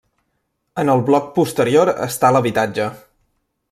En el bloc posterior està l'habitatge.